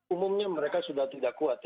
umumnya mereka sudah tidak kuat